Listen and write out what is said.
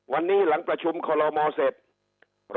วันนี้หลังประชุมคอลโลมอลเสร็จ